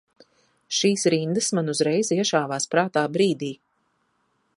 Šīs rindas man uzreiz iešāvās prātā brīdī.